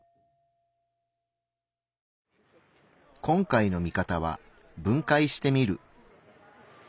今回のミカタは「分解してみる」。